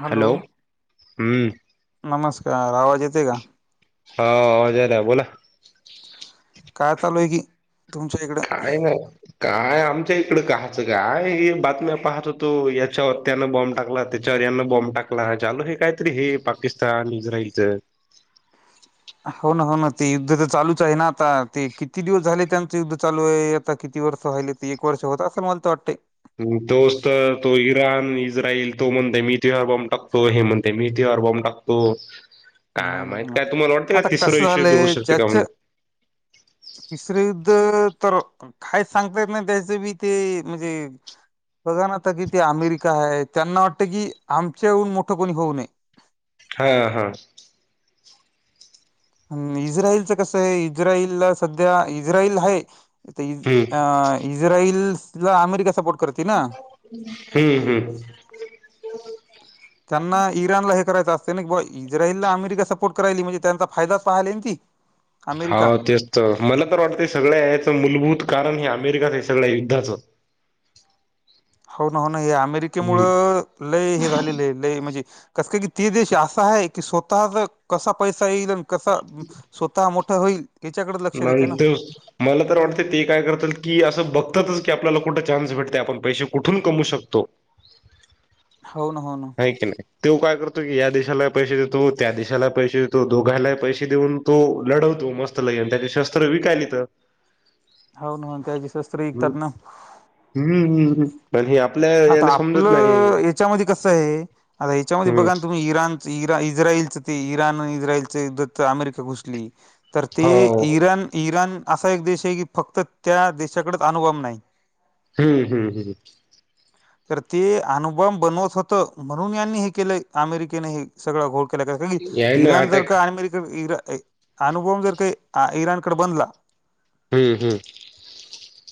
Hello हम्म नमस्कार आवाज येते का हा अजय बोला काय चालूय की तुमच्या इकड खाय मग काय आमच्या इकडं कहाचं काय हे बातम्या पाहत होतो याच्या व त्यान बॉम्ब टाकलात त्याच्या्याना बॉम्ब टाकला लो हे कायतरी हे पाकिस्तान इस्राइलचं हो ना हो ना ते युद्ध तर चालूच आहे ना आता ते किती दिवस झाले त्यांचं युद्ध चालू आहे आता किती वर्ष वहिले एक वर्ष होत असेल मला त वाटते तोचत तो इराण इस्रायल तो म्हणते मी ति बॉ्ब टाकतो हे म्हणते तेे मि इथे आर [unintelligible] टाकतोच. [unintelligible] आता तिसरं कस विश्वयुद्ध होऊ झालंय शकते का ज्याच म्हणून तिसर युद्ध तर काय सांगता येत नाही त्याच बी ते म्हणजे बघा ना आता कि ते अमेरिका आहे त्यांना वाटतं की आमच्या येवून मोठं कोणी होऊ नये. हा ह. इस्राइलचं कसं आहे इस्राइल सध्या इस्राइल हाय. आता इ हम्म इस्राइल ला अमेरिका सपोर्ट कर. ती ना. हम्म हम्म. त्यांना इराणला हे करायचं असते ना, इस्रायलला अमेरिका सपोर्ट करायली म्हणजे त्यांचा फायदाच पाहिलाय ती. [inaudible] हाव, तेच तर मला तर वाटतं सगळ्या याचं मूलभूत कारण हे अमेरिकाच हे सगळ्या युद्धात. हाव ना हो ना हे हम्म अमेरिकेमुळं लय हे झालेले आहे लय म्हणजे कसं काय की ते देश असा आहे की स्वतःचं कसा पैसा येईल कसा? स्वतः मोठा होईल. याच्याकडे लक्ष देते ना नाहीत. मला तर वाटते ती काय करतात की असं बघतातच की आपल्याला कुठं चान्स भेटते आपण पैसे कुठून कमवू शकतो? हो ना, हो ना. आहे की नाही तो काय करतो की या देशाला पैसे देतो त्या देशाला पैसे देतो दोघाला पैसे देऊन तो लढवतो मस्त लगेन त्याने शस्त्र विकायल येत. हो ना हो ना त्याची शस्त्र विकतात ना. हम्म, हम्. तरी हे आपले आहेत. आता आपलं ह्याच्यामध्ये कसं आहे? आता ह्याच्यामध्ये हम्म बघा ना तुम्ही इराण इरा-इस्रायलचं ते इराण-इस्रायलचं युद्ध तर अमेरिका घुसली. तर ते हो इराण, इराण असा एक देश आहे की फक्त त्या देशाकडच अणुबाम नाही. हं हं हम्. तर ते अणुबॉम्ब बनवत होतं, म्हणून यांनी हे केलं अमेरिकेने हे सगळा घोळ केला का कनी याय ना इराण जर अटॅक का अमेरिका इरा [unintelligible] अणुबाॅम्ब जर काही इराणकडे बनला हं हं.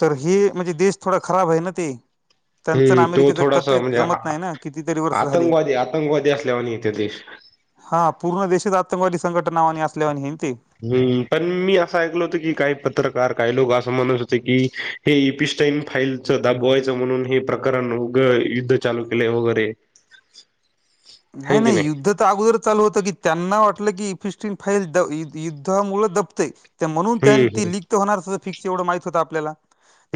तर हे म्हणजे देश थोडा खराब आहे ना ते. त्यांचं अन हम्म तो अमेरिकेचं थोडासा कतीथ म्हणजे जमत आ- नाही ना? कितीतरी वर्ष झाली. आतंकवादी आतंकवादी असल्यावानी येते देश हां पूर्ण देशच आतंकवादी संघटना असल्या वानी हे न ते. हं, पण मी असं ऐकलं होत की काही पत्रकार, काही लोक असं म्हणत होते की हे इपिस्टाईन फाईलचं दाबवायचं म्हणून हे प्रकरण उग युद्ध चालू केलंय वगैरे? [inaudible] नाही हाय की नाही युद्ध तर अगोदर चालू होतं की त्यांना वाटलं की इपिस्टीन फाईल युद्धा मुळे दबतेय. म्हणून त्यांनी हम्म ती हम्म लिक होणार फिक्स एवढं माहित होतं आपल्याला.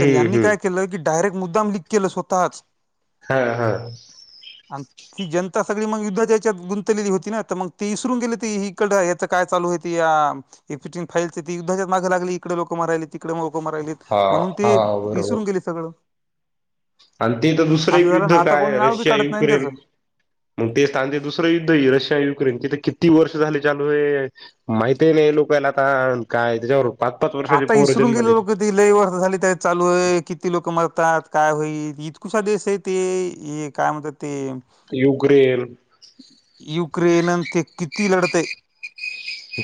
तर हम्म यांनी हम्म काय केलं की डायरेक्ट मुद्दाम लीक केलं स्वतःच. हा हं. आणि ती जन ता सगळी मग युद्धाच्या याच्यात गुंतलेली होती ना तर मग ती विसरून गेले ती हीकडं याचं काय चालू आहेत या एपिचिन फाईलच ती युद्धच्या मागे लागली इकडे लोक मरायला तिकडे लोक मरायलेत. हा म्हणून हा ते बरोबर इसरून गेले सगळं. आणि ते तर दुसरं एक असं झालं युद्ध ना आता काय कोणी आहे नाव बी काढत नाही रशिया-युक्रेन. त्याचं. मग ते स्थान जे दुसरं युद्ध आहे रशिया- युक्रेन ते तर किती वर्ष झाले चालू आहे? माहीत आहे ही नाही लोकांला ताण त्याच्यावर पाच-पाच वर्षाचे आता पोरं इसरून गेले जन्मले. लोक ते लई वर्ष झाली त्या चालू आहे. किती लोक मरतात काय होईल? इतकुसा देश आहे ते एक काय म्हणतात ते? युक्रेन. युक्रेन न ते किती लढतय?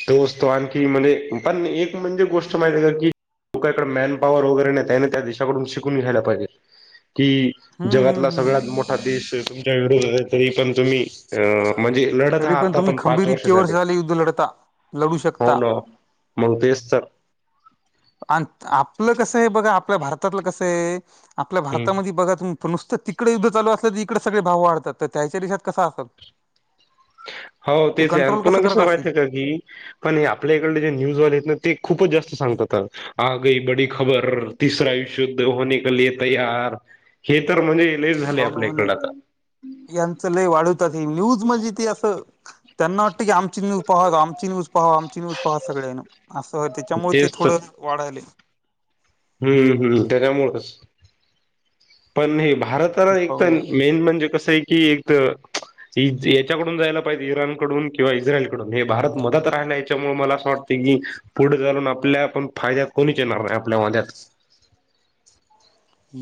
दोस्त आणखी म्हणे, पण एक म्हणजे गोष्ट माहिती आहे का? की तू काय कड मॅनपाॅवर वगैरे नाही त्यायन त्या देशाकडून शिकून घ्यायला पाहिजेत की हम्म हम्म जगातला सगळ्यात हम्म मोठा देश तुमच्या विरोधात आहे, तरी पण तुम्ही अ म्हंजे तरी पण तुम्ही खंबीर इतके वर्ष झाले, युद्ध लढता लढू शकता. मगं तेचं तर. आन आपलं कसंय बघा, आपल्या भारतातलं कसंय आपल्या भारतामध्ये बघा तुम त नुस्तं तिकडे युद्ध चालू असलं, त इकडे सगळे भाव वाढतात, त त्यांयच्या देशात कसं आसल? हाव तेच आहे आण पुन्हा करत कसं असतील माहितेय का की पण हे आपल्या इकडले जे न्यूजवाले आहेत ना, ते खूपच जास्त सांगतात तर. आ गयी बडी खबर! तिसरा विश्वयुद्ध होने के लिये तयार! हे तर म्हणे लईच झाले हो ना आपल्या हो नाही इकडंल आता. यांचं लय वाढवतात हे, न्यूज म्हणजे ते असं त्यांना वाटते का आमची न्यूज पाहाव, आमची न्यूज पाहाव, आमची न्यूज पाहाव सगळ्यांन. आसंय त्याच्यामुळे ते तेच तर थोडं वाढायले. हम्म हम्मी त्याच्यामुळच पण हे भारताला हो एकत ना मेन म्हंजे कसंय की एक की याच्याकडून जायला पाहिजे इराण कडून किंवा इस्रायल कडून, हे भारत मधात राहिला याच्यामुळे मला असं वाटतय की पुढ चालून आपल्या पण फायद्यात कोणीच येणार नाही, आपल्या मद्यात.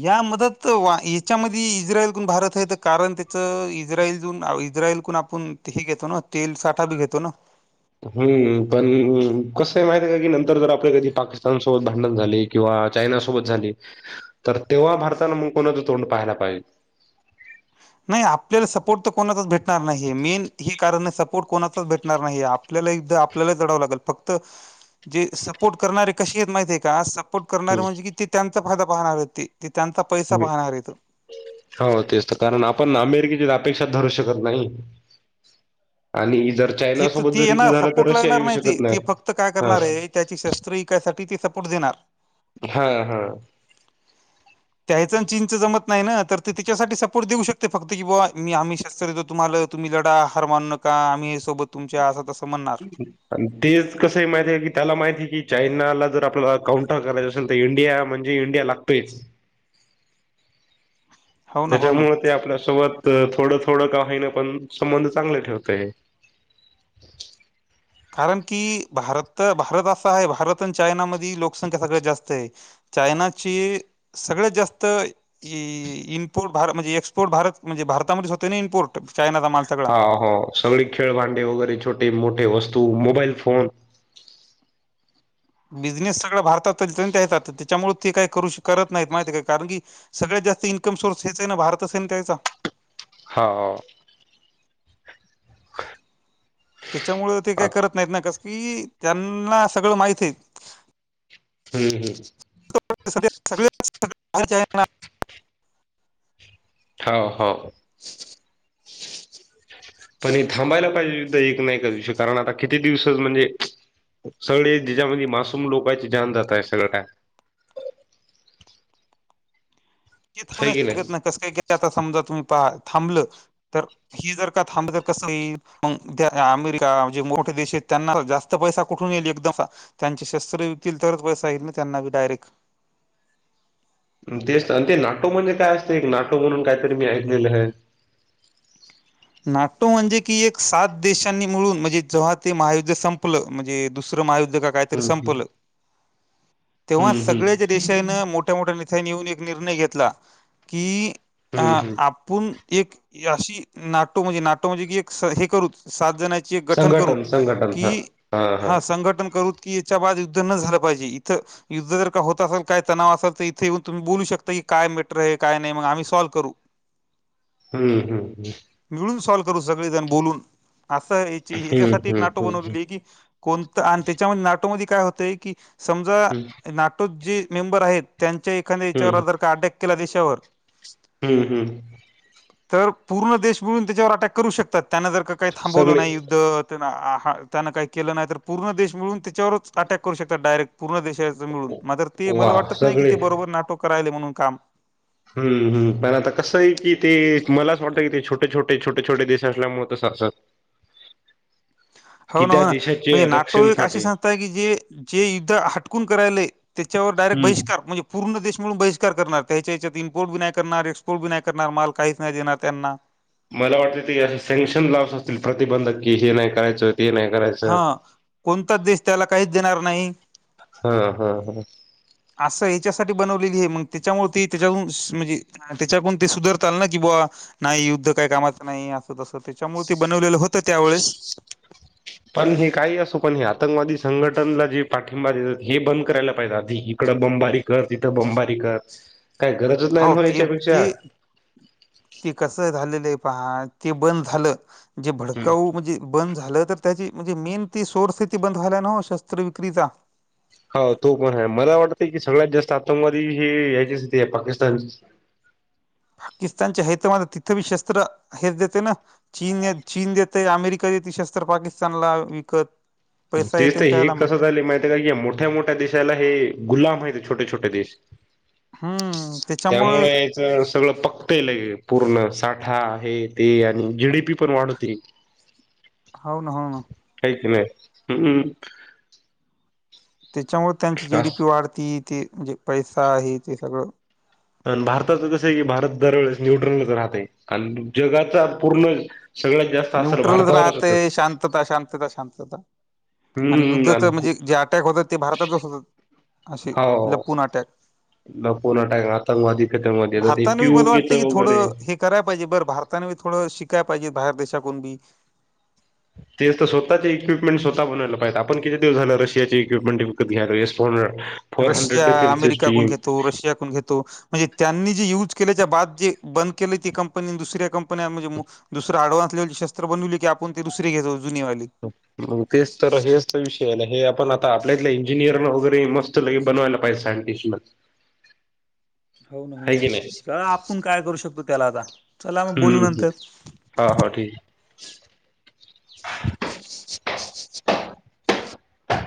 या मदत वा याच्यामध्ये इस्रायलकून भारत हाय त कारण त्याच इस्राजून इस्रायलकून आप कूण हे घेतो ना तेल साठा बी घेतो ना. हम्म पण अ कसंय माहित आहे का की नंतर जर, आपल्या कधी पाकिस्तान सोबत भांडण झाले किंवा चायनासोबत झाली तर, तेव्हा भारतानं मग कोणाचं तोंड पाहायला पाहिजे? नाही आपल्याल सपोर्ट त कोणाचाच भेटणार नाही, मेन हे कारण आहे सपोर्ट कोणाचाच भेटणार नाही ये. पल्याला एकदा आपल्याला कळाव लागल फक्त जे सपोर्ट करणारे कशे येत माहितीये का? सपोर्ट करणार हम्म म्हणजे कि, ते त्यांचा फायदा पाहणार हायेत ते ते त्यांचा पैसा हम्म. पाहणार यतं. हो तेच त कारण आपण अमेरिकेची अ पेक्षा धरू शकत नाही आणि इजर थे त ते येणार सपोर्टला येणार नाही ते, ते फक्तं काय हा करणार आहे त्याची शस्त्र ईकायसाठी ती सपोर्ट देणार. हां हां. त्यायच अण चीनचं जमतं नाही न तर, ते त्याच्यासाठी सपोर्ट देऊ शकते फक्त की बॉ मी आम्ही शस्त्र देतो तुम्हाल तुम्ही लढा हार मानू नका आम्हीय सोबत तुमच्या असं तसं म्हणणार [inaudible] अन तेच कसंय माहिती आहे की, त्याला माहितीये की चायनाला जर आपला अ काउंटर करायचं असेल, तर इंडिया म्हणजे इंडिया लाग तेच. हो ना हो ना त्याच्यामुळ ते आपल्यासोबत अ थोड थोड का होईना, पण संबंध चांगले ठेवतय. कारण की भारत भारत असं आहे भारत आणि चायना मधी लोकसंख्या सगळ्यात जास्त आहे. चायनाची सगळ्यात जास्त इ इम्पोर्ट भार म्हणजे एक्सपोर्ट भारत म्हणजे भारतामध्ये च होतंय ना इम्पोर्ट. चायनाचा मा हाव हो सगळी खेळ भांडे वगैरे छोटे मोठे वस्तू मोबाईल फोन. बिझनेस सगळा भारतात येतंय त्यायचा, त तेच्यामुळ ते काय करू श करत नाहीत माहितीय काय कारण की सगळ्यात जास्त इन्कम सोर्स हेच आहे, ना भारतच आहे न त्यायचा. हाव हाव. [inaudible] त्याच्यामुळ ते काई आता करत नाहीत ना कसं की त्यांना सगळं माहितय. हम्म हम्म. [unintelligible] सगळे हाव हाव. [inaudible] पण हे थांबायला पाहिजे सुद्धा एक नाही का कारण आता किती दिवसच म्हणजे सगळे ज्याच्यामध्ये मासूम लोकांची जान जात आहे सगळं काय? हे थांबू हाय नाही की शकत कसं काही का आता समजा तुम्ही पा थांबलं. तर ही जर का थांबल तर कसं मग त्या अमेरिका म्हणजे मोठे देश आहेत त्यांना जास्त पैसा कुठून येईल एकदम त्यांचे शस्त्र विकतील तरच बस आहेत नाही त्यांना डायरेक्ट तेच ते नाटो म्हणजे काय असतें एक नाटो म्हणून कायतरी मी ऐकलेलं आहे नाटो म्हणजे की एक सात देशांनी मिळून म्हणजे जेव्हा ते महायुद्ध संपलं म्हणजे दुसरं महायुद्ध का कायतर हम्म हम्म संपल तेव्हा हम्म हम्म सगळया देशान मोठ्या मोठ्या [unintelligible] येऊन एक निर्णय घेतला की अ हम्म हम्म. आप पण एक अशी नाटो म्हणजे नाटो म्हणजे की एक अस हे करू सात जण हायत एक गठन करू संघटन संघटन हा की, हा संघटन करू की की याच्या बाद युद्ध न झालं पाहिजे इथं युद्ध जर का होत असेल काय तणाव असेल तर इथे येऊन तुम्ही बोलू शकता की काय मॅटर आहे नाही आम्ही सॉल्व करू हम्म हम्म हम्म मिळून सॉल्व करू सगळेजण बोलून असं याची हम्म याच्यासाठी एक हम्म नाटो बनवलेली आहे की, कोणतं आणि त्याच्यामध्ये नाटोमध्ये काय होतय की समजा हम्म नाटो जे मेंबर आहेत त्यांच्या एखाद्या हम्म याच्यावर जर का अटॅक केला देशावर, हम्म हम्म तर पूर्ण देश मिळून त्याच्यावर अटॅक करू शकतात त्यान जर का काही थांबवलं सगळे नाही युद्ध त्यांन काही केलं नाही तर पूर्ण देश मिळून त्याच्यावरच अटॅक करू शकतात डायरेक्ट पूर्ण देश मिळून म ते वा मला वाटत नाही कि सगळे ते बरोबर नाटो करायले म्हणून काम. हम्म हम्म पण आता कसं आहे की ते मलाच वाटतं कि ते छोटे, छोटे, छोटे, छोटे देश असल्यामुळेत असत हो ना त्या हो ना देशाचे म्हणजे नाटो एक अशी रक्षणसाठी संस्था आहे की जे जे युद्ध हटकून करायलय त्याच्यावर डायरेक्ट हम्म बहिष्कार म्हणजे पूर्ण देश म्हणून बहिष्कार करणार त्या हच्या याच्यात इम्पोर्ट बी नाही करणार एक्सपोर्ट बी नाही करणार माल काहीच नाही देणार त्यांना मला वाटतते ते असं सँक्शन लावच असतील प्रतिबंधक की हे नाही करायचं ते नाही करायचं हा कोणताच देश त्याला काहीच देणार नाही हा हा हा असं याच्यासाठी बनवलेली आहे मग त्याच्यामुळे त त्याच्यातून म्हणजे त्याच्यामुळे ते सुधरता आल ना कि बुवा नाही युद्ध काय कामाचं नाही अस तसं त्याच्यामुळे ते बनवलेलं होतं त्यावेळेस पण हे काही असू पण हे आतंकवादी संघटनला जे पाठिंबा देतात हे बंद करायला पाहिजे आधी इकडं बमबारी कर तिथं बमबारी कर काय गरजच नाही हो मग ते याच्यापेक्षा ते ते कस झालेलं आहे पहा ते बंद झालं जे भडकाऊ म्हणजे बंद झालं तर त्याची म्हणजे मेन ती सोर्स ती बंद झालाय ना हो शस्त्र विक्रीचा हो तो पण आहे मला वाटतं की सगळ्यात जास्त आतंकवादी हे याची स्थिती आहे पाकिस्तान पाकिस्तानच्या आहेत मध्ये तिथे बी शस्त्र हेच देते ना चीन, चीन देत, अमेरिका देते, शस्त्र पाकिस्तानला विकत. पैसा तेच येते तर ना हे त्याला मग कसं झाले माहित आहे का? मोठ्या मोठ्या देशाला हे गुलाम आहेत छोटे छोटे देश. हम्म त्याच्यामुळे त्यामुळे सगळं पकतयल पूर्ण साठा आहे ते आणि जी डी पी पण वाढवते. हाव ना हाव हाय की नाय हम्म हम् त्याच्यामुळे त्यांची जीडीपी वाढती ते म्हणजे पैसा हे ते सगळं पण भारताचं कसं आहे की भारत दरवेळेस न्यूट्रलच राहतय जगाचा पूर्ण सगळ्यात जास्त असर न्यूट्रलच भारतावरच होतय राहतय शांतता, शांतता, शांतता. आणि हम्म युद्धच म्हणजे जे अटॅक होतात ते भारतातच होतात असे लपून अटॅक लपवून अटॅक आतंकवादी फीतगवादी ते पी यू की च वगैरे कराय पाहिजे बरं भारतानी थोडं शिकाय पाहिजे बाहेर देशातून बी ते तर स्वःताच इक्विपमेंट स्वतः बनवल पाहिेजे आपण किती दिवस झालं रशियाची इक्विपमेंट विकत घ्यालोय रशिया, अमेरिका कोन घेतो रशिया कोन घेतो म्हणजे त्यांनी जे युज केल्याच्या बाद जे ब केले ते कंपनी दुसऱ्या कंप दुसर अँडव्हान्स शस्त्र बनवली की आपण ते दुसरी घेतो जुनीवाली. मग तेच तर हेच विषय हे आपण आता आपल्यातल्या इंजिनियर वगैरे मस्त लगे बनवायला पाहिजे सायंटिस्ट न हो ना म नाही आपण काय करू शकतो त्याला आता चला मग बोलू हम्म नंतर हा हा ठीक हे.